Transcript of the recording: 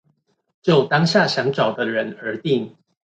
就當下想找的人而定